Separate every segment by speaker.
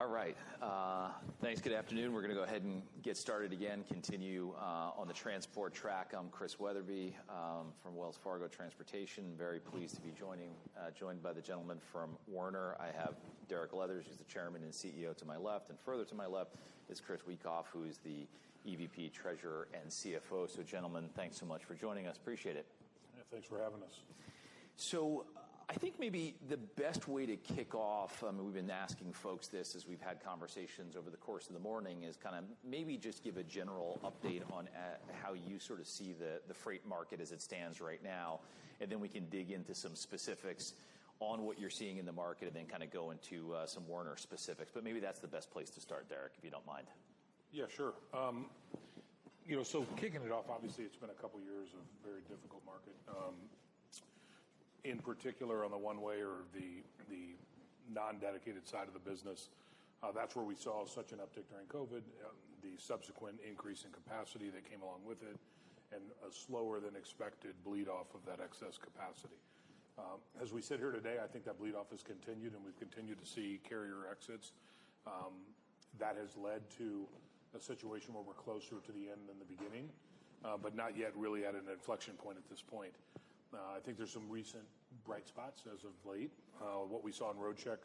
Speaker 1: All right. Thanks. Good afternoon. We're going to go ahead and get started again, continue, on the transport track. I'm Chris Wetherbee, from Wells Fargo Securities. Very pleased to be joining, joined by the gentleman from Werner. I have Derek Leathers, who's the Chairman and CEO to my left. And further to my left is Chris Wikoff, who is the EVP Treasurer and CFO. So, gentlemen, thanks so much for joining us. Appreciate it.
Speaker 2: Thanks for having us.
Speaker 1: So I think maybe the best way to kick off. I mean, we've been asking folks this as we've had conversations over the course of the morning is kind of maybe just give a general update on how you sort of see the freight market as it stands right now. And then we can dig into some specifics on what you're seeing in the market and then kind of go into some Werner specifics. But maybe that's the best place to start, Derek, if you don't mind.
Speaker 2: Yeah, sure. You know, so kicking it off, obviously, it's been a couple of years of a very difficult market. In particular, on the one-way or the non-dedicated side of the business, that's where we saw such an uptick during COVID, the subsequent increase in capacity that came along with it, and a slower-than-expected bleed off of that excess capacity. As we sit here today, I think that bleed off has continued, and we've continued to see carrier exits. That has led to a situation where we're closer to the end than the beginning, but not yet really at an inflection point at this point. I think there's some recent bright spots as of late. What we saw in Roadcheck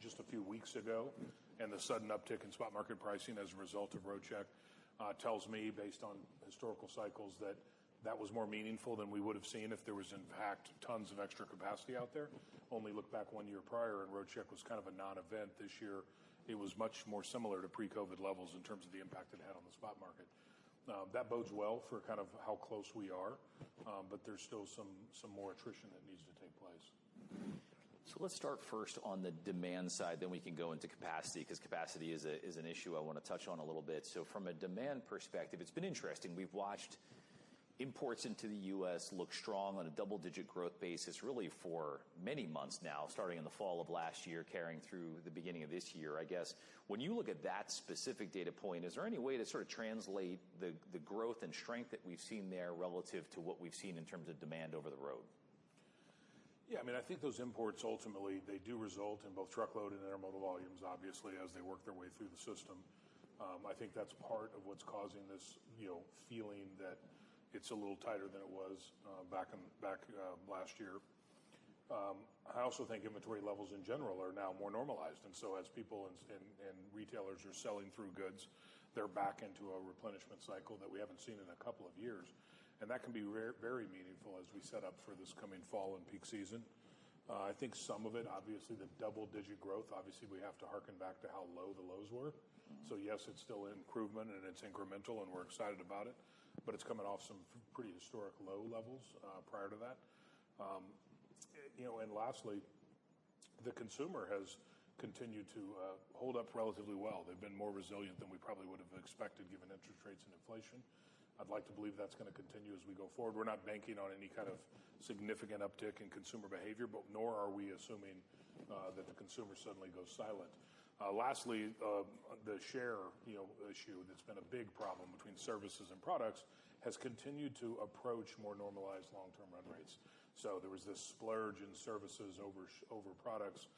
Speaker 2: just a few weeks ago and the sudden uptick in spot market pricing as a result of Roadcheck tells me, based on historical cycles, that that was more meaningful than we would have seen if there was, in fact, tons of extra capacity out there. Only look back one year prior, and Roadcheck was kind of a non-event. This year, it was much more similar to pre-COVID levels in terms of the impact it had on the spot market. That bodes well for kind of how close we are. But there's still some more attrition that needs to take place.
Speaker 1: So let's start first on the demand side. Then we can go into capacity because capacity is an issue I want to touch on a little bit. So from a demand perspective, it's been interesting. We've watched imports into the U.S. look strong on a double-digit growth basis really for many months now, starting in the fall of last year, carrying through the beginning of this year, I guess. When you look at that specific data point, is there any way to sort of translate the growth and strength that we've seen there relative to what we've seen in terms of demand over the road?
Speaker 2: Yeah. I mean, I think those imports ultimately, they do result in both truckload and intermodal volumes, obviously, as they work their way through the system. I think that's part of what's causing this, you know, feeling that it's a little tighter than it was back in back last year. I also think inventory levels in general are now more normalized. And so as people and retailers are selling through goods, they're back into a replenishment cycle that we haven't seen in a couple of years. And that can be very very meaningful as we set up for this coming fall and peak season. I think some of it, obviously, the double-digit growth, obviously, we have to hearken back to how low the lows were. So yes, it's still improvement, and it's incremental, and we're excited about it. But it's coming off some pretty historic low levels, prior to that. You know, and lastly, the consumer has continued to hold up relatively well. They've been more resilient than we probably would have expected given interest rates and inflation. I'd like to believe that's going to continue as we go forward. We're not banking on any kind of significant uptick in consumer behavior, but nor are we assuming that the consumer suddenly goes silent. Lastly, the share, you know, issue that's been a big problem between services and products has continued to approach more normalized long-term run rates. So there was this splurge in services over products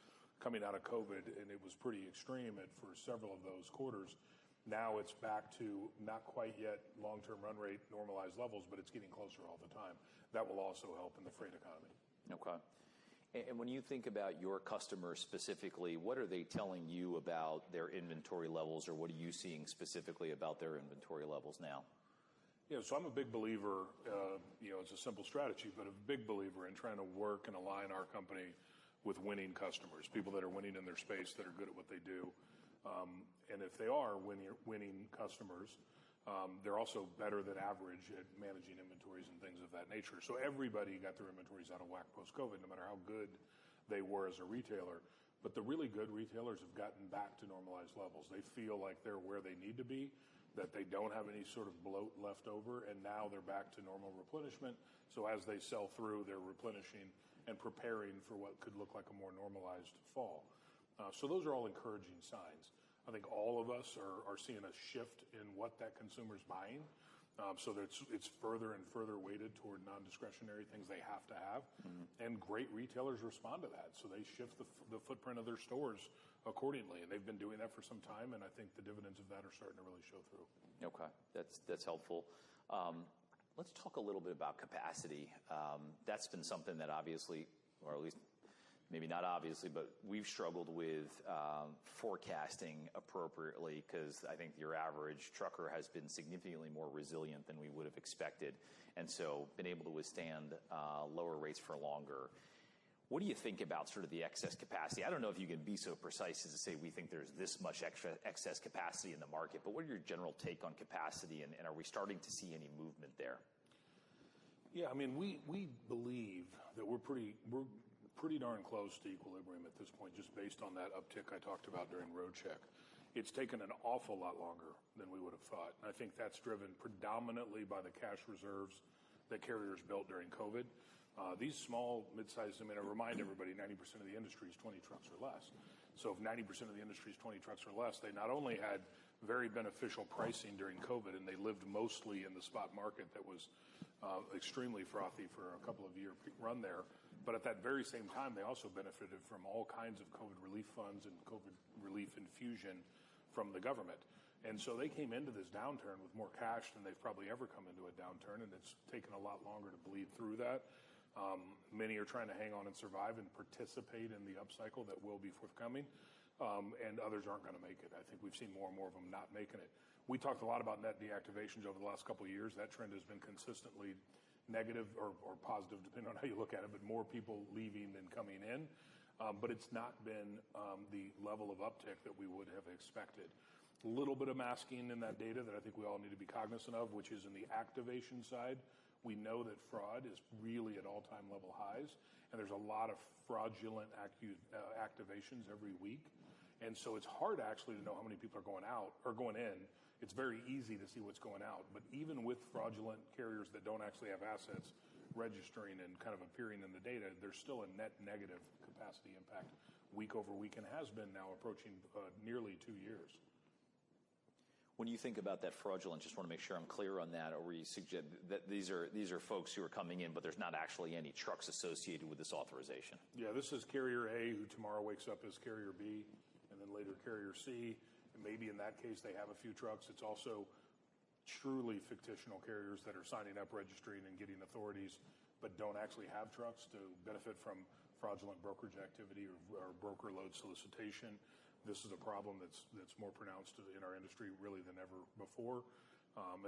Speaker 2: coming out of COVID, and it was pretty extreme for several of those quarters. Now it's back to not quite yet long-term run rate normalized levels, but it's getting closer all the time. That will also help in the freight economy.
Speaker 1: Okay. When you think about your customers specifically, what are they telling you about their inventory levels, or what are you seeing specifically about their inventory levels now?
Speaker 2: Yeah. So I'm a big believer, you know, it's a simple strategy, but a big believer in trying to work and align our company with winning customers, people that are winning in their space that are good at what they do. If they are winning customers, they're also better than average at managing inventories and things of that nature. So everybody got their inventories out of whack post-COVID, no matter how good they were as a retailer. But the really good retailers have gotten back to normalized levels. They feel like they're where they need to be, that they don't have any sort of bloat left over, and now they're back to normal replenishment. So as they sell through, they're replenishing and preparing for what could look like a more normalized fall. So those are all encouraging signs. I think all of us are seeing a shift in what that consumer's buying. So it's further and further weighted toward non-discretionary things they have to have. And great retailers respond to that. So they shift the footprint of their stores accordingly. And they've been doing that for some time, and I think the dividends of that are starting to really show through.
Speaker 1: Okay. That's helpful. Let's talk a little bit about capacity. That's been something that obviously, or at least maybe not obviously, but we've struggled with forecasting appropriately because I think your average trucker has been significantly more resilient than we would have expected and so been able to withstand lower rates for longer. What do you think about sort of the excess capacity? I don't know if you can be so precise as to say, "We think there's this much extra excess capacity in the market," but what are your general take on capacity, and are we starting to see any movement there?
Speaker 2: Yeah. I mean, we believe that we're pretty darn close to equilibrium at this point just based on that uptick I talked about during Roadcheck. It's taken an awful lot longer than we would have thought. And I think that's driven predominantly by the cash reserves that carriers built during COVID. These small midsize—I mean, I remind everybody, 90% of the industry is 20 trucks or less. So if 90% of the industry is 20 trucks or less, they not only had very beneficial pricing during COVID, and they lived mostly in the spot market that was extremely frothy for a couple of year run there, but at that very same time, they also benefited from all kinds of COVID relief funds and COVID relief infusion from the government. So they came into this downturn with more cash than they've probably ever come into a downturn, and it's taken a lot longer to bleed through that. Many are trying to hang on and survive and participate in the upcycle that will be forthcoming, and others aren't going to make it. I think we've seen more and more of them not making it. We talked a lot about net deactivations over the last couple of years. That trend has been consistently negative or or positive, depending on how you look at it, but more people leaving than coming in. But it's not been the level of uptick that we would have expected. A little bit of masking in that data that I think we all need to be cognizant of, which is in the activation side. We know that fraud is really at all-time highs, and there's a lot of fraudulent account activations every week. So it's hard, actually, to know how many people are going out or going in. It's very easy to see what's going out. But even with fraudulent carriers that don't actually have assets registering and kind of appearing in the data, there's still a net negative capacity impact week-over-week and has been now approaching nearly two years.
Speaker 1: When you think about that fraudulent, just want to make sure I'm clear on that, or we suggest that these are these are folks who are coming in, but there's not actually any trucks associated with this authorization.
Speaker 2: Yeah. This is carrier A, who tomorrow wakes up as carrier B and then later carrier C. And maybe in that case, they have a few trucks. It's also truly fictional carriers that are signing up, registering, and getting authorities but don't actually have trucks to benefit from fraudulent brokerage activity or broker load solicitation. This is a problem that's more pronounced in our industry really than ever before.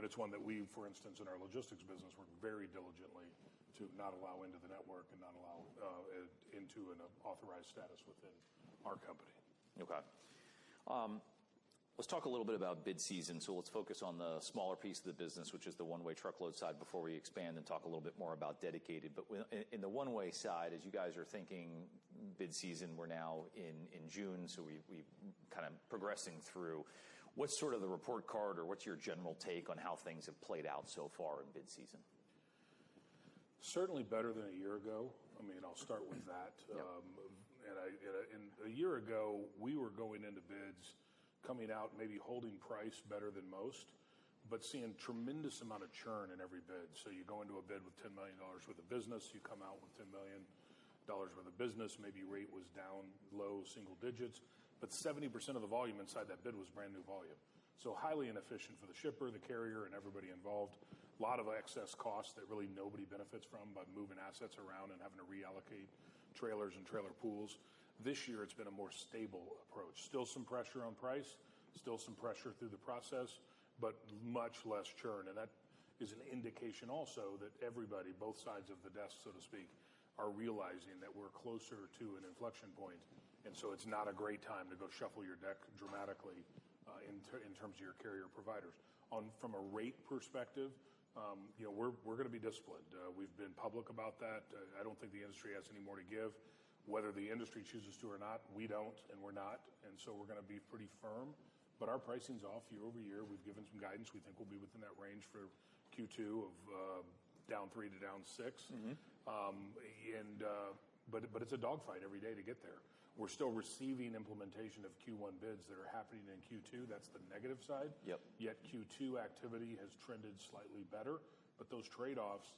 Speaker 2: It's one that we, for instance, in our logistics business, work very diligently to not allow into the network and not allow into an authorized status within our company.
Speaker 1: Okay. Let's talk a little bit about bid season. So let's focus on the smaller piece of the business, which is the one-way truckload side, before we expand and talk a little bit more about dedicated. But in the one-way side, as you guys are thinking bid season, we're now in June, so we're kind of progressing through. What's sort of the report card, or what's your general take on how things have played out so far in bid season?
Speaker 2: Certainly better than a year ago. I mean, I'll start with that. A year ago, we were going into bids coming out maybe holding price better than most but seeing a tremendous amount of churn in every bid. So you go into a bid with $10 million worth of business, you come out with $10 million worth of business. Maybe rate was down low single digits, but 70% of the volume inside that bid was brand new volume. So highly inefficient for the shipper, the carrier, and everybody involved. A lot of excess costs that really nobody benefits from by moving assets around and having to reallocate trailers and trailer pools. This year, it's been a more stable approach. Still some pressure on price, still some pressure through the process, but much less churn. And that is an indication also that everybody, both sides of the desk, so to speak, are realizing that we're closer to an inflection point. And so it's not a great time to go shuffle your deck dramatically, in terms of your carrier providers. And from a rate perspective, you know, we're going to be disciplined. We've been public about that. I don't think the industry has any more to give. Whether the industry chooses to or not, we don't, and we're not. And so we're going to be pretty firm. But our pricing's off year-over-year. We've given some guidance. We think we'll be within that range for Q2, down 3%-6%.
Speaker 1: Mm-hmm.
Speaker 2: But it's a dogfight every day to get there. We're still receiving implementation of Q1 bids that are happening in Q2. That's the negative side.
Speaker 1: Yep.
Speaker 2: Yet Q2 activity has trended slightly better. But those trade-offs,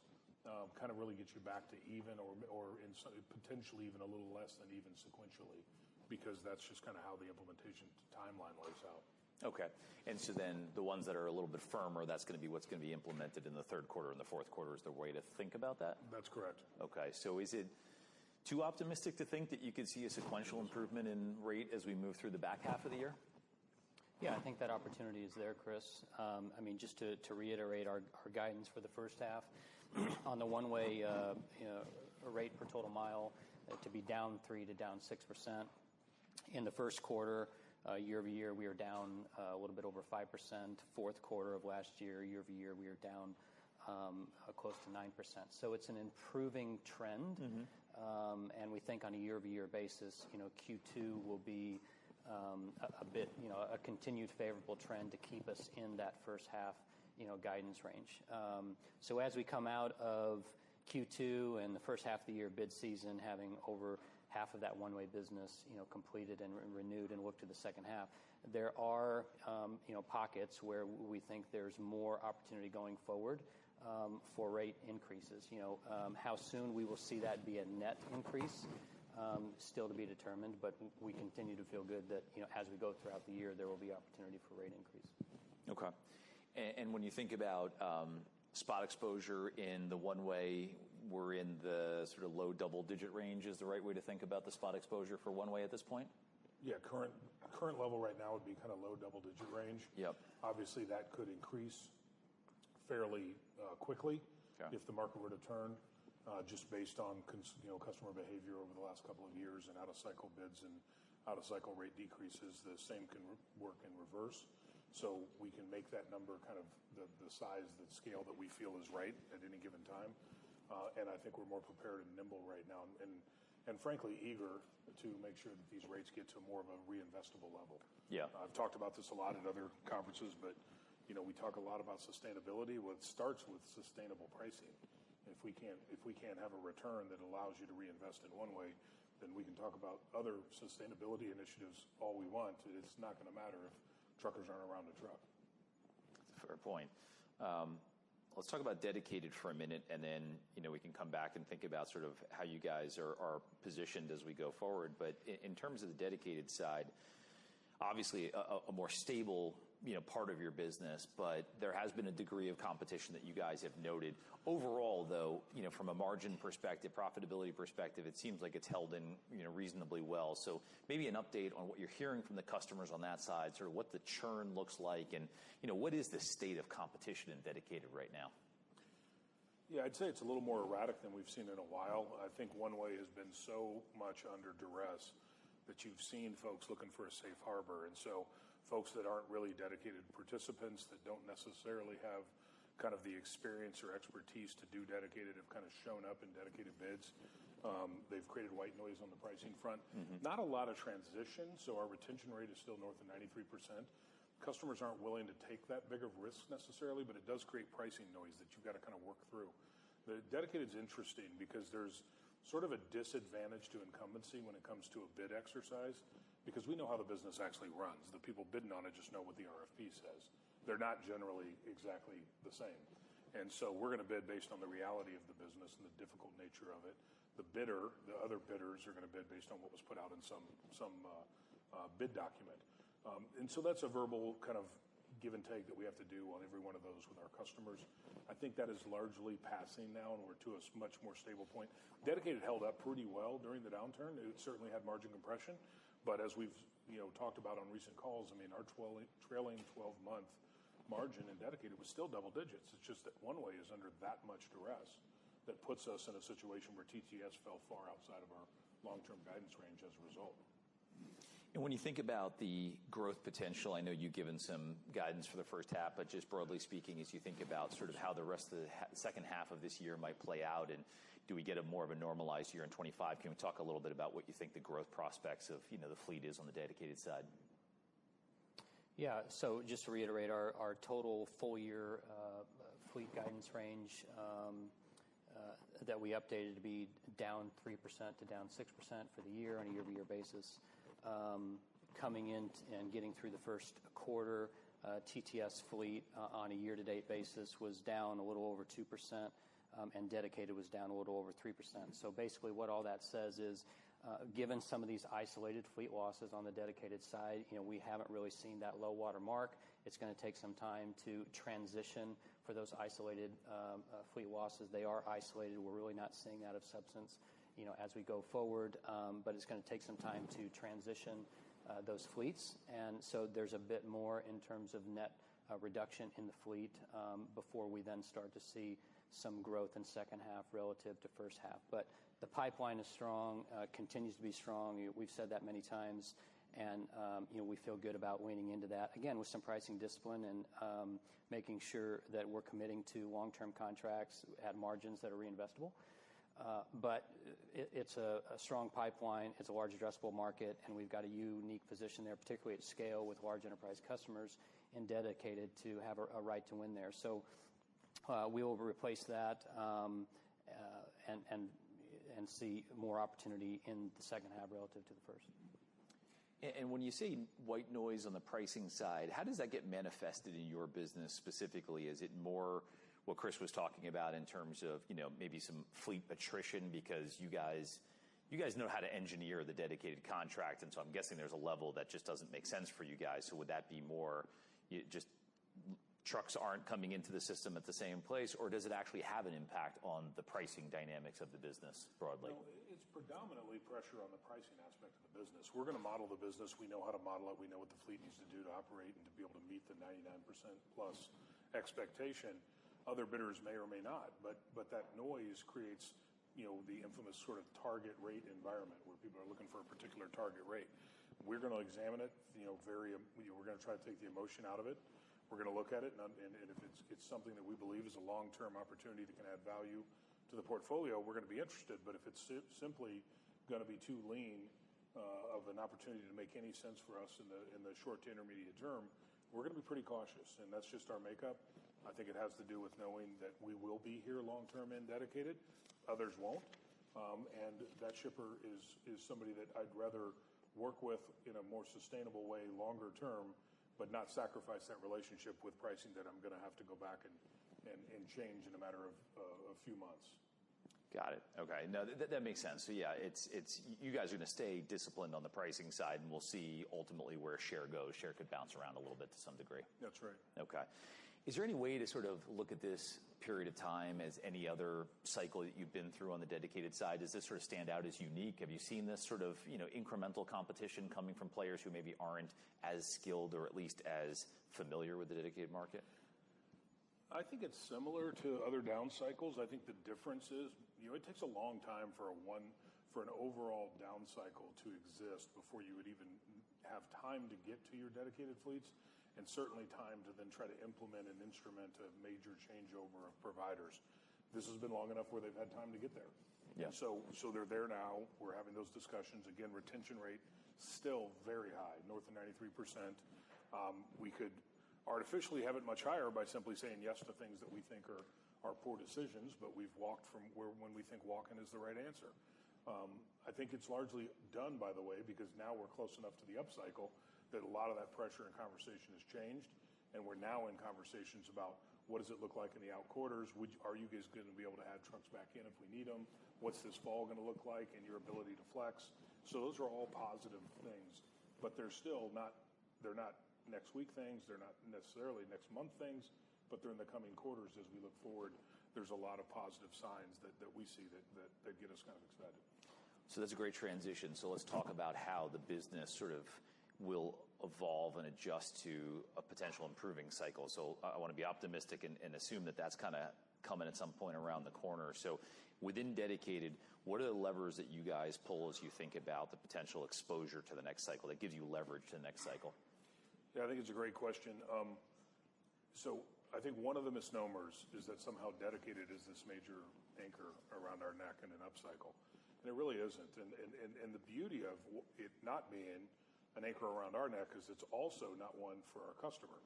Speaker 2: kind of really get you back to even or in potentially even a little less than even sequentially because that's just kind of how the implementation timeline lays out.
Speaker 1: Okay. And so then the ones that are a little bit firmer, that's going to be what's going to be implemented in the third quarter and the fourth quarter is the way to think about that?
Speaker 2: That's correct.
Speaker 1: Okay. So is it too optimistic to think that you could see a sequential improvement in rate as we move through the back half of the year?
Speaker 3: Yeah. I think that opportunity is there, Chris. I mean, just to reiterate our guidance for the first half on the one-way, you know, rate per total mile to be down 3%-6%. In the first quarter, year-over-year, we were down a little bit over 5%. Fourth quarter of last year, year-over-year, we were down close to 9%. So it's an improving trend.
Speaker 1: Mm-hmm.
Speaker 3: We think on a year-over-year basis, you know, Q2 will be, a bit, you know, a continued favorable trend to keep us in that first half, you know, guidance range. So as we come out of Q2 and the first half of the year bid season having over half of that one-way business, you know, completed and renewed and look to the second half, there are, you know, pockets where we think there's more opportunity going forward, for rate increases. You know, how soon we will see that be a net increase, still to be determined, but we continue to feel good that, you know, as we go throughout the year, there will be opportunity for rate increase.
Speaker 1: Okay. And when you think about spot exposure in the one-way, we're in the sort of low double-digit range, is the right way to think about the spot exposure for one-way at this point?
Speaker 2: Yeah. Current level right now would be kind of low double-digit range.
Speaker 1: Yep.
Speaker 2: Obviously, that could increase fairly quickly.
Speaker 1: Okay.
Speaker 2: If the market were to turn, just based on cons you know, customer behavior over the last couple of years and out-of-cycle bids and out-of-cycle rate decreases, the same can work in reverse. So we can make that number kind of the size, the scale that we feel is right at any given time. And I think we're more prepared and nimble right now and frankly eager to make sure that these rates get to more of a reinvestable level.
Speaker 1: Yeah.
Speaker 2: I've talked about this a lot at other conferences, but, you know, we talk a lot about sustainability, what starts with sustainable pricing. If we can't have a return that allows you to reinvest in one way, then we can talk about other sustainability initiatives all we want. It's not going to matter if truckers aren't around the truck.
Speaker 1: That's a fair point. Let's talk about dedicated for a minute, and then, you know, we can come back and think about sort of how you guys are positioned as we go forward. But in terms of the dedicated side, obviously, a more stable, you know, part of your business, but there has been a degree of competition that you guys have noted. Overall, though, you know, from a margin perspective, profitability perspective, it seems like it's held in, you know, reasonably well. So maybe an update on what you're hearing from the customers on that side, sort of what the churn looks like, and, you know, what is the state of competition in dedicated right now?
Speaker 2: Yeah. I'd say it's a little more erratic than we've seen in a while. I think one-way has been so much under duress that you've seen folks looking for a safe harbor. And so folks that aren't really dedicated participants that don't necessarily have kind of the experience or expertise to do dedicated have kind of shown up in dedicated bids. They've created white noise on the pricing front.
Speaker 1: Mm-hmm.
Speaker 2: Not a lot of transition. So our retention rate is still north of 93%. Customers aren't willing to take that big of risk necessarily, but it does create pricing noise that you've got to kind of work through. The dedicated's interesting because there's sort of a disadvantage to incumbency when it comes to a bid exercise because we know how the business actually runs. The people bidding on it just know what the RFP says. They're not generally exactly the same. And so we're going to bid based on the reality of the business and the difficult nature of it. The other bidders are going to bid based on what was put out in some bid document. And so that's a verbal kind of give and take that we have to do on every one of those with our customers. I think that is largely passing now, and we're to a much more stable point. Dedicated held up pretty well during the downturn. It certainly had margin compression. But as we've, you know, talked about on recent calls, I mean, our trailing 12-month margin in dedicated was still double digits. It's just that one-way is under that much duress that puts us in a situation where TTS fell far outside of our long-term guidance range as a result.
Speaker 1: When you think about the growth potential, I know you've given some guidance for the first half, but just broadly speaking, as you think about sort of how the rest of the second half of this year might play out, and do we get a more of a normalized year in 2025, can we talk a little bit about what you think the growth prospects of, you know, the fleet is on the dedicated side?
Speaker 3: Yeah. So just to reiterate, our total full-year fleet guidance range that we updated to be down 3%-6% for the year on a year-over-year basis. Coming in and getting through the first quarter, TTS fleet on a year-to-date basis was down a little over 2%, and dedicated was down a little over 3%. So basically, what all that says is, given some of these isolated fleet losses on the dedicated side, you know, we haven't really seen that low watermark. It's going to take some time to transition for those isolated fleet losses. They are isolated. We're really not seeing that of substance, you know, as we go forward. But it's going to take some time to transition those fleets. And so there's a bit more in terms of net reduction in the fleet, before we then start to see some growth in second half relative to first half. But the pipeline is strong, continues to be strong. We've said that many times. And, you know, we feel good about leaning into that, again, with some pricing discipline and making sure that we're committing to long-term contracts at margins that are reinvestable. But it's a strong pipeline. It's a large addressable market, and we've got a unique position there, particularly at scale with large enterprise customers and dedicated to have a right to win there. So, we will replace that, and see more opportunity in the second half relative to the first.
Speaker 1: And when you say white noise on the pricing side, how does that get manifested in your business specifically? Is it more what Chris was talking about in terms of, you know, maybe some fleet attrition because you guys know how to engineer the dedicated contract? And so I'm guessing there's a level that just doesn't make sense for you guys. So would that be more just trucks aren't coming into the system at the same place, or does it actually have an impact on the pricing dynamics of the business broadly?
Speaker 2: No. It's predominantly pressure on the pricing aspect of the business. We're going to model the business. We know how to model it. We know what the fleet needs to do to operate and to be able to meet the 99%-plus expectation. Other bidders may or may not. But that noise creates, you know, the infamous sort of target rate environment where people are looking for a particular target rate. We're going to examine it, you know, we're going to try to take the emotion out of it. We're going to look at it. And if it's something that we believe is a long-term opportunity that can add value to the portfolio, we're going to be interested. But if it's simply going to be too lean, of an opportunity to make any sense for us in the short to intermediate term, we're going to be pretty cautious. And that's just our makeup. I think it has to do with knowing that we will be here long-term in dedicated. Others won't. And that shipper is somebody that I'd rather work with in a more sustainable way longer term but not sacrifice that relationship with pricing that I'm going to have to go back and change in a matter of a few months.
Speaker 1: Got it. Okay. No, that makes sense. So yeah, it's you guys are going to stay disciplined on the pricing side, and we'll see ultimately where share goes. Share could bounce around a little bit to some degree.
Speaker 2: That's right.
Speaker 1: Okay. Is there any way to sort of look at this period of time as any other cycle that you've been through on the dedicated side? Does this sort of stand out as unique? Have you seen this sort of, you know, incremental competition coming from players who maybe aren't as skilled or at least as familiar with the dedicated market?
Speaker 2: I think it's similar to other down cycles. I think the difference is, you know, it takes a long time for an overall down cycle to exist before you would even have time to get to your dedicated fleets and certainly time to then try to implement and instrument a major changeover of providers. This has been long enough where they've had time to get there.
Speaker 1: Yeah.
Speaker 2: So, so they're there now. We're having those discussions. Again, retention rate still very high, north of 93%. We could artificially have it much higher by simply saying yes to things that we think are poor decisions, but we've walked from where when we think walking is the right answer. I think it's largely done, by the way, because now we're close enough to the up cycle that a lot of that pressure and conversation has changed, and we're now in conversations about what does it look like in the out quarters. Would you guys going to be able to add trucks back in if we need them? What's this fall going to look like and your ability to flex? So those are all positive things. But they're still not next week things. They're not necessarily next month things. But during the coming quarters, as we look forward, there's a lot of positive signs that we see that get us kind of excited.
Speaker 1: So that's a great transition. So let's talk about how the business sort of will evolve and adjust to a potential improving cycle. So I want to be optimistic and assume that that's kind of coming at some point around the corner. So within dedicated, what are the levers that you guys pull as you think about the potential exposure to the next cycle that gives you leverage to the next cycle?
Speaker 2: Yeah. I think it's a great question. So I think one of the misnomers is that somehow dedicated is this major anchor around our neck in an up cycle. And it really isn't. And the beauty of it not being an anchor around our neck is it's also not one for our customer.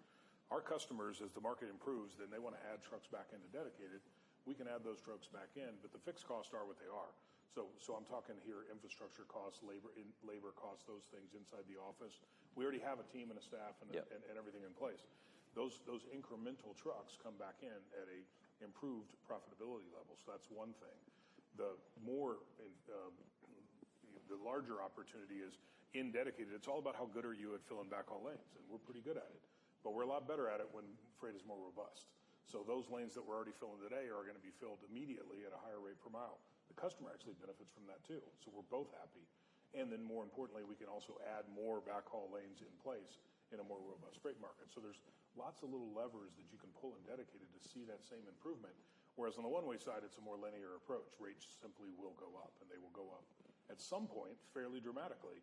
Speaker 2: Our customers, as the market improves, then they want to add trucks back into dedicated. We can add those trucks back in, but the fixed costs are what they are. So I'm talking here infrastructure costs, labor in labor costs, those things inside the office. We already have a team and a staff and everything in place. Those incremental trucks come back in at an improved profitability level. So that's one thing. The more the larger opportunity is in dedicated. It's all about how good are you at filling backhaul lanes. We're pretty good at it, but we're a lot better at it when freight is more robust. Those lanes that we're already filling today are going to be filled immediately at a higher rate per mile. The customer actually benefits from that too. We're both happy. Then more importantly, we can also add more backhaul lanes in place in a more robust freight market. There's lots of little levers that you can pull in dedicated to see that same improvement. Whereas on the one-way side, it's a more linear approach. Rates simply will go up, and they will go up at some point fairly dramatically.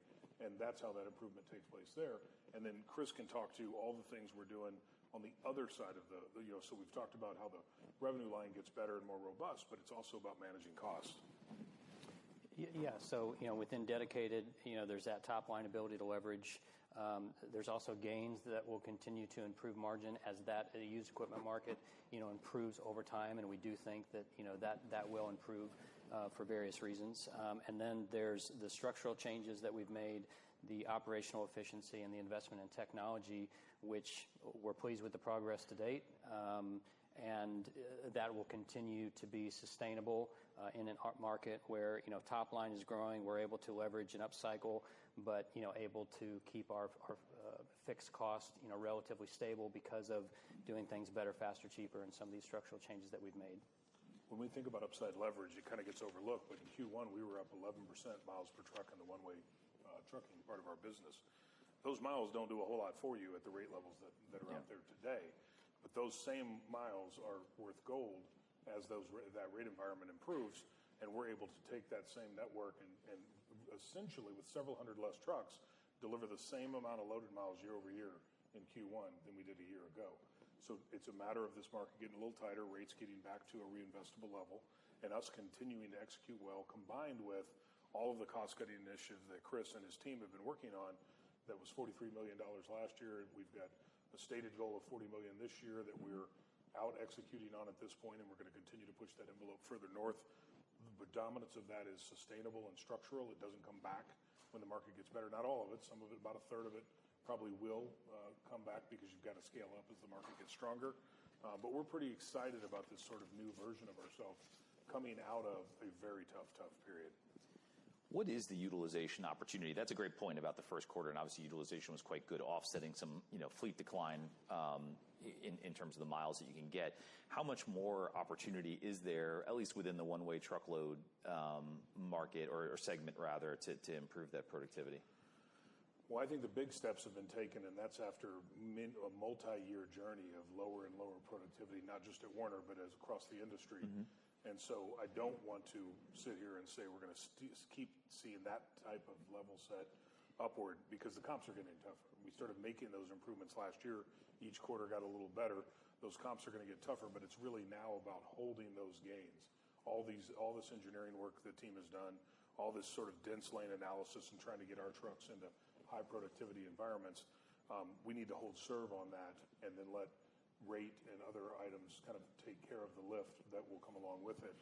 Speaker 2: That's how that improvement takes place there. And then Chris can talk to all the things we're doing on the other side of the, you know, so we've talked about how the revenue line gets better and more robust, but it's also about managing cost.
Speaker 3: Yeah. So, you know, within dedicated, you know, there's that top-line ability to leverage. There's also gains that will continue to improve margin as that used equipment market, you know, improves over time. And we do think that, you know, that that will improve, for various reasons. And then there's the structural changes that we've made, the operational efficiency and the investment in technology, which we're pleased with the progress to date. And that will continue to be sustainable, in an up market where, you know, top line is growing. We're able to leverage an up cycle, but, you know, able to keep our our, fixed cost, you know, relatively stable because of doing things better, faster, cheaper, and some of these structural changes that we've made.
Speaker 2: When we think about upside leverage, it kind of gets overlooked. But in Q1, we were up 11% miles per truck in the one-way, trucking part of our business. Those miles don't do a whole lot for you at the rate levels that are out there today. But those same miles are worth gold as that rate environment improves. We're able to take that same network and essentially with several hundred less trucks deliver the same amount of loaded miles year-over-year in Q1 than we did a year ago. It's a matter of this market getting a little tighter, rates getting back to a reinvestable level, and us continuing to execute well combined with all of the cost-cutting initiatives that Chris and his team have been working on. That was $43 million last year. We've got a stated goal of $40 million this year that we're out executing on at this point, and we're going to continue to push that envelope further north. The dominance of that is sustainable and structural. It doesn't come back when the market gets better. Not all of it. Some of it, about a third of it, probably will, come back because you've got to scale up as the market gets stronger. But we're pretty excited about this sort of new version of ourselves coming out of a very tough, tough period.
Speaker 1: What is the utilization opportunity? That's a great point about the first quarter. Obviously, utilization was quite good, offsetting some, you know, fleet decline, in terms of the miles that you can get. How much more opportunity is there, at least within the one-way truckload market or segment, rather, to improve that productivity?
Speaker 2: Well, I think the big steps have been taken, and that's after a multi-year journey of lower and lower productivity, not just at Werner, but also across the industry. And so I don't want to sit here and say we're going to keep seeing that type of level set upward because the comps are getting tougher. We started making those improvements last year. Each quarter got a little better. Those comps are going to get tougher, but it's really now about holding those gains. All this engineering work the team has done, all this sort of dense lane analysis and trying to get our trucks into high productivity environments, we need to hold serve on that and then let rate and other items kind of take care of the lift that will come along with it.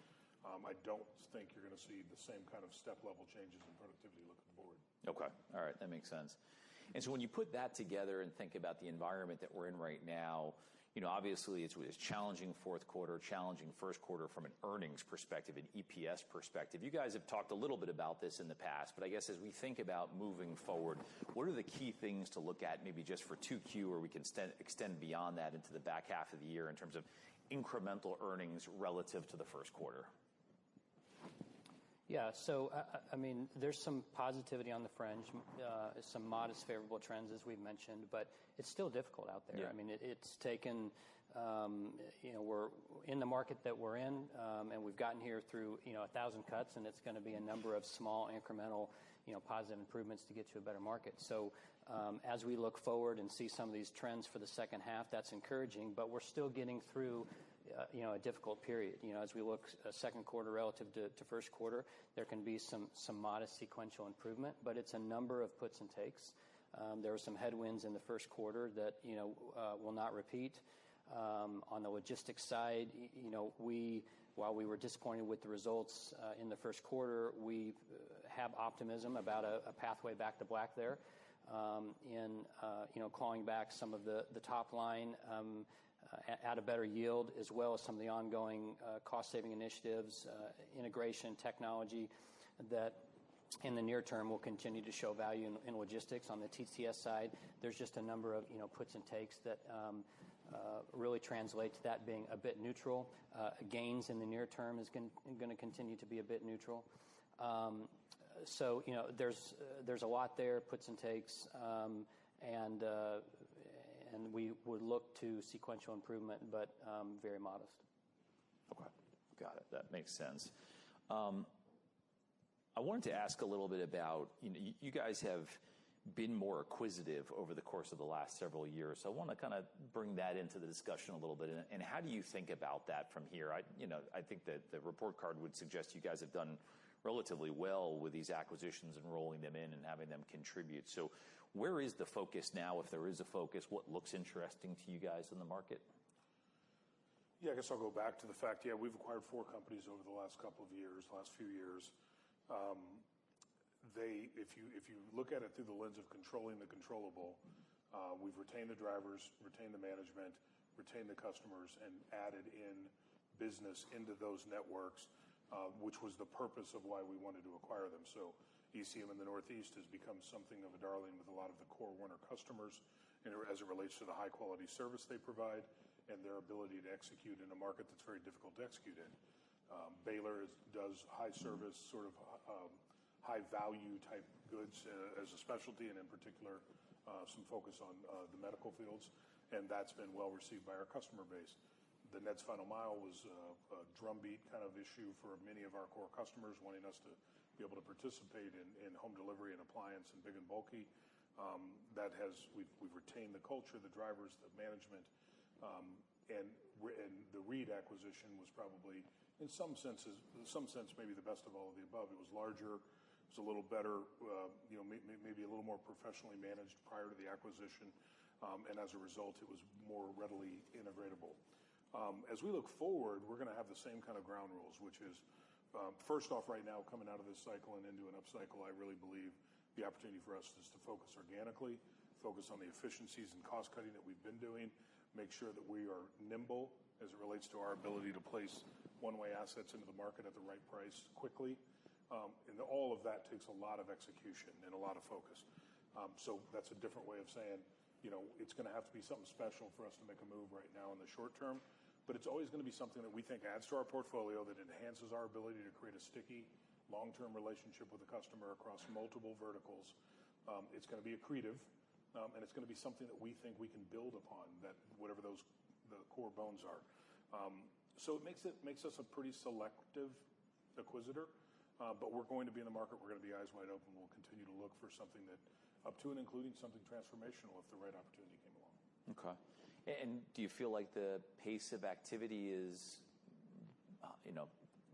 Speaker 2: I don't think you're going to see the same kind of step-level changes in productivity looking forward.
Speaker 1: Okay. All right. That makes sense. And so when you put that together and think about the environment that we're in right now, you know, obviously, it's challenging fourth quarter, challenging first quarter from an earnings perspective, an EPS perspective. You guys have talked a little bit about this in the past, but I guess as we think about moving forward, what are the key things to look at maybe just for Q2 or we can extend beyond that into the back half of the year in terms of incremental earnings relative to the first quarter?
Speaker 3: Yeah. So I mean, there's some positivity on the fringe, some modest favorable trends, as we've mentioned, but it's still difficult out there. I mean, it's taken, you know, we're in the market that we're in, and we've gotten here through, you know, 1,000 cuts, and it's going to be a number of small incremental, you know, positive improvements to get to a better market. So, as we look forward and see some of these trends for the second half, that's encouraging. But we're still getting through, you know, a difficult period. You know, as we look at second quarter relative to first quarter, there can be some modest sequential improvement, but it's a number of puts and takes. There were some headwinds in the first quarter that, you know, will not repeat. On the logistics side, you know, while we were disappointed with the results in the first quarter, we have optimism about a pathway back to black there, you know, calling back some of the top line at a better yield as well as some of the ongoing cost-saving initiatives, integration technology that in the near term will continue to show value in logistics. On the TTS side, there's just a number of, you know, puts and takes that really translate to that being a bit neutral. Gains in the near term is going to continue to be a bit neutral. So, you know, there's a lot there, puts and takes, and we would look to sequential improvement, but very modest.
Speaker 1: Okay. Got it. That makes sense. I wanted to ask a little bit about, you know, you guys have been more acquisitive over the course of the last several years. So I want to kind of bring that into the discussion a little bit. How do you think about that from here? I, you know, I think that the report card would suggest you guys have done relatively well with these acquisitions and rolling them in and having them contribute. So where is the focus now? If there is a focus, what looks interesting to you guys in the market?
Speaker 2: Yeah. I guess I'll go back to the fact, yeah, we've acquired four companies over the last couple of years, last few years. They, if you, if you look at it through the lens of controlling the controllable, we've retained the drivers, retained the management, retained the customers, and added in business into those networks, which was the purpose of why we wanted to acquire them. So ECM in the Northeast has become something of a darling with a lot of the core Werner customers as it relates to the high-quality service they provide and their ability to execute in a market that's very difficult to execute in. Baylor does high-service sort of, high-value type goods as a specialty and in particular, some focus on the medical fields. And that's been well received by our customer base. NEHDS's final mile was a drumbeat kind of issue for many of our core customers wanting us to be able to participate in home delivery and appliance and big and bulky. That's. We've retained the culture, the drivers, the management. And the Reed acquisition was probably in some senses in some sense, maybe the best of all of the above. It was larger. It was a little better, you know, maybe a little more professionally managed prior to the acquisition. As a result, it was more readily integratable. As we look forward, we're going to have the same kind of ground rules, which is, first off, right now, coming out of this cycle and into an up cycle, I really believe the opportunity for us is to focus organically, focus on the efficiencies and cost-cutting that we've been doing, make sure that we are nimble as it relates to our ability to place one-way assets into the market at the right price quickly. And all of that takes a lot of execution and a lot of focus. So that's a different way of saying, you know, it's going to have to be something special for us to make a move right now in the short term, but it's always going to be something that we think adds to our portfolio, that enhances our ability to create a sticky long-term relationship with the customer across multiple verticals. It's going to be accretive, and it's going to be something that we think we can build upon that whatever those the core bones are. So it makes us a pretty selective acquirer. But we're going to be in the market. We're going to be eyes wide open. We'll continue to look for something that up to and including something transformational if the right opportunity came along.
Speaker 1: Okay. Do you feel like the pace of activity is, you know,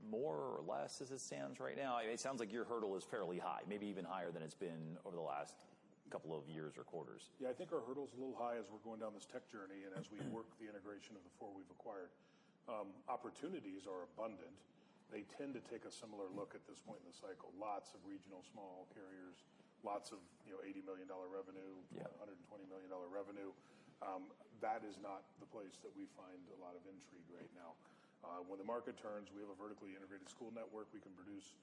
Speaker 1: more or less as it stands right now? It sounds like your hurdle is fairly high, maybe even higher than it's been over the last couple of years or quarters.
Speaker 2: Yeah. I think our hurdle is a little high as we're going down this tech journey and as we work the integration of the four we've acquired. Opportunities are abundant. They tend to take a similar look at this point in the cycle. Lots of regional small carriers, lots of, you know, $80 million revenue, $120 million revenue. That is not the place that we find a lot of intrigue right now. When the market turns, we have a vertically integrated school network. We can produce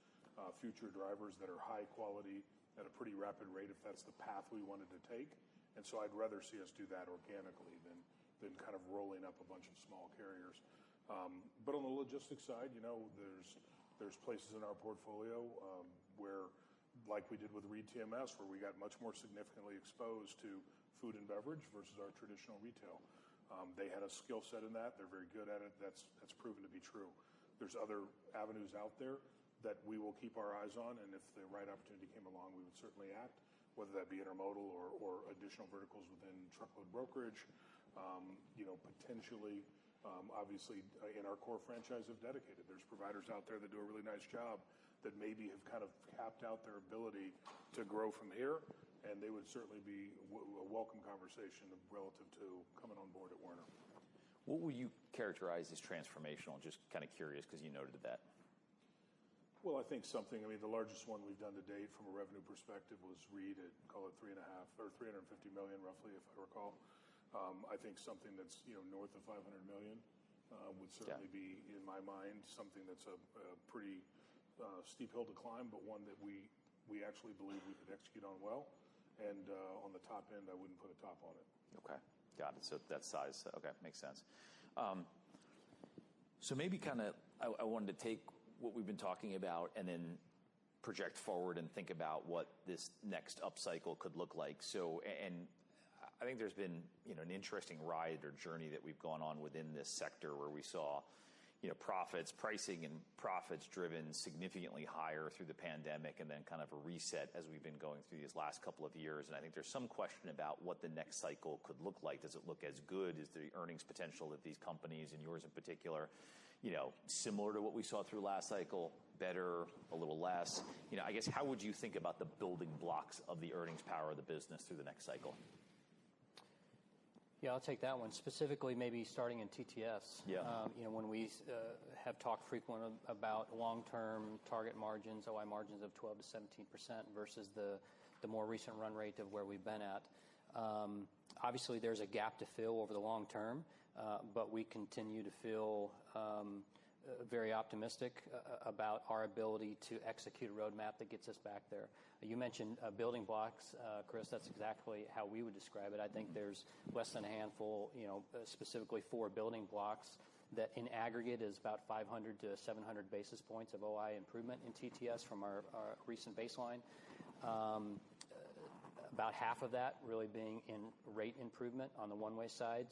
Speaker 2: future drivers that are high quality at a pretty rapid rate if that's the path we wanted to take. And so I'd rather see us do that organically than kind of rolling up a bunch of small carriers. but on the logistics side, you know, there's places in our portfolio, where, like we did with ReedTMS, where we got much more significantly exposed to food and beverage versus our traditional retail. They had a skill set in that. They're very good at it. That's proven to be true. There's other avenues out there that we will keep our eyes on. And if the right opportunity came along, we would certainly act, whether that be intermodal or additional verticals within truckload brokerage, you know, potentially, obviously, in our core franchise of dedicated. There's providers out there that do a really nice job that maybe have kind of capped out their ability to grow from here, and they would certainly be a welcome conversation relative to coming on board at Werner.
Speaker 1: What would you characterize as transformational? Just kind of curious because you noted that.
Speaker 2: Well, I think something I mean, the largest one we've done to date from a revenue perspective was Reed at, call it $3.5 or $350 million, roughly, if I recall. I think something that's, you know, north of $500 million, would certainly be in my mind something that's a pretty steep hill to climb, but one that we actually believe we could execute on well. On the top end, I wouldn't put a top on it.
Speaker 1: Okay. Got it. So that size. Okay. Makes sense. So maybe kind of I wanted to take what we've been talking about and then project forward and think about what this next up cycle could look like. So and I think there's been, you know, an interesting ride or journey that we've gone on within this sector where we saw, you know, profits, pricing and profits driven significantly higher through the pandemic and then kind of a reset as we've been going through these last couple of years. And I think there's some question about what the next cycle could look like. Does it look as good? Is the earnings potential of these companies and yours in particular, you know, similar to what we saw through last cycle, better, a little less? You know, I guess how would you think about the building blocks of the earnings power of the business through the next cycle?
Speaker 3: Yeah. I'll take that one. Specifically, maybe starting in TTS.
Speaker 1: Yeah.
Speaker 3: You know, when we have talked frequently about long-term target margins, OI margins of 12%-17% versus the more recent run rate of where we've been at. Obviously, there's a gap to fill over the long term, but we continue to feel very optimistic about our ability to execute a roadmap that gets us back there. You mentioned building blocks, Chris. That's exactly how we would describe it. I think there's less than a handful, you know, specifically four building blocks that in aggregate is about 500-700 basis points of OI improvement in TTS from our recent baseline. About half of that really being in rate improvement on the one-way side.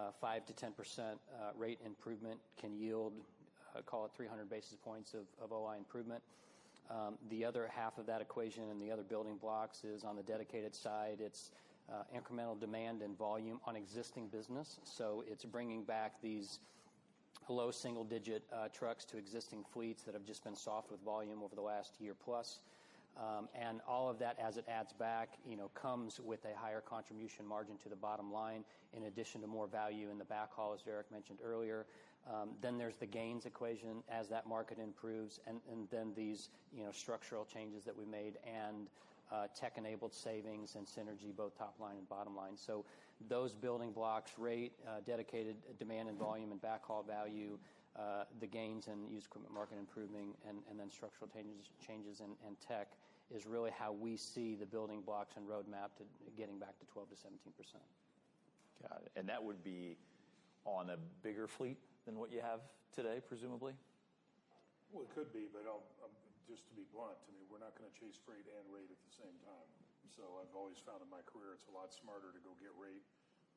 Speaker 3: So, 5%-10% rate improvement can yield, call it 300 basis points of OI improvement. The other half of that equation and the other building blocks is on the dedicated side. It's incremental demand and volume on existing business. So it's bringing back these low single-digit trucks to existing fleets that have just been softened with volume over the last year plus. And all of that, as it adds back, you know, comes with a higher contribution margin to the bottom line in addition to more value in the backhaul, as Derek mentioned earlier. Then there's the gains equation as that market improves and then these, you know, structural changes that we made and tech-enabled savings and synergy, both top line and bottom line. So those building blocks: rate, dedicated demand and volume and backhaul value, the gains and used equipment market improving, and then structural changes and tech is really how we see the building blocks and roadmap to getting back to 12%-17%.
Speaker 1: Got it. And that would be on a bigger fleet than what you have today, presumably?
Speaker 2: Well, it could be, but I'm just to be blunt, I mean, we're not going to chase freight and rate at the same time. So I've always found in my career it's a lot smarter to go get rate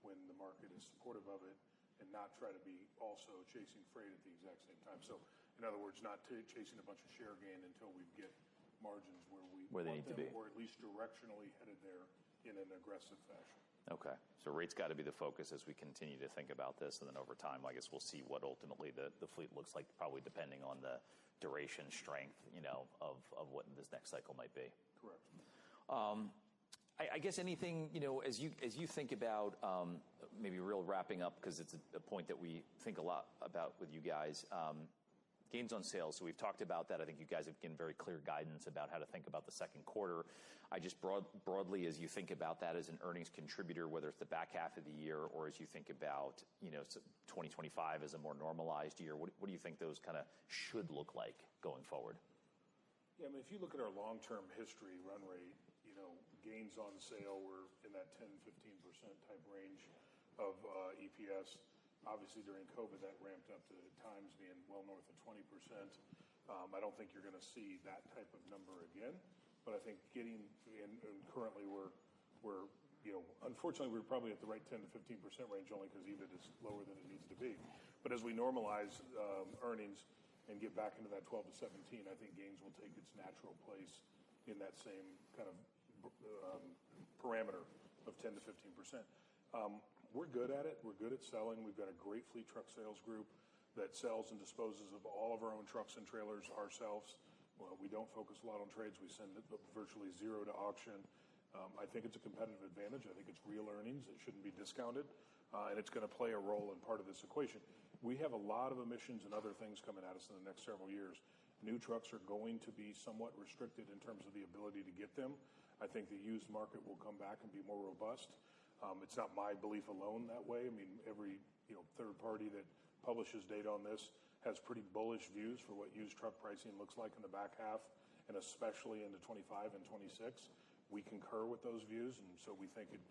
Speaker 2: when the market is supportive of it and not try to be also chasing freight at the exact same time. So, in other words, not chasing a bunch of share gain until we get margins where they need to be or at least directionally headed there in an aggressive fashion.
Speaker 1: Okay. So rate's got to be the focus as we continue to think about this. And then over time, I guess we'll see what ultimately the fleet looks like, probably depending on the duration strength, you know, of what this next cycle might be.
Speaker 2: Correct.
Speaker 1: I guess anything, you know, as you think about, maybe really wrapping up because it's a point that we think a lot about with you guys, gains on sales. So we've talked about that. I think you guys have given very clear guidance about how to think about the second quarter. I just broadly, as you think about that as an earnings contributor, whether it's the back half of the year or as you think about, you know, 2025 as a more normalized year, what do you think those kind of should look like going forward?
Speaker 2: Yeah. I mean, if you look at our long-term history run rate, you know, gains on sale, we're in that 10%-15% type range of EPS. Obviously, during COVID, that ramped up to times being well north of 20%. I don't think you're going to see that type of number again, but I think getting and currently we're, you know, unfortunately, we're probably at the right 10%-15% range only because EBIT is lower than it needs to be. But as we normalize, earnings and get back into that 12-17, I think gains will take its natural place in that same kind of parameter of 10%-15%. We're good at it. We're good at selling. We've got a great fleet truck sales group that sells and disposes of all of our own trucks and trailers ourselves. We don't focus a lot on trades. We send virtually zero to auction. I think it's a competitive advantage. I think it's real earnings. It shouldn't be discounted. And it's going to play a role in part of this equation. We have a lot of emissions and other things coming at us in the next several years. New trucks are going to be somewhat restricted in terms of the ability to get them. I think the used market will come back and be more robust. It's not my belief alone that way. I mean, every, you know, third party that publishes data on this has pretty bullish views for what used truck pricing looks like in the back half, and especially into 2025 and 2026. We concur with those views. And so we think it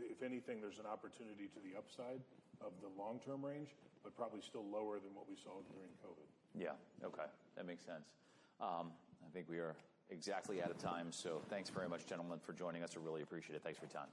Speaker 2: if anything, there's an opportunity to the upside of the long-term range, but probably still lower than what we saw during COVID.
Speaker 1: Yeah. Okay. That makes sense. I think we are exactly out of time. So thanks very much, gentlemen, for joining us. I really appreciate it. Thanks for your time.